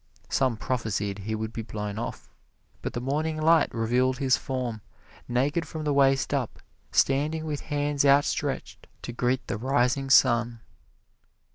Some prophesied he would be blown off, but the morning light revealed his form, naked from the waist up, standing with hands outstretched to greet the rising sun.